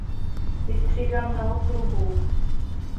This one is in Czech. Vystřídal mnoho klubů.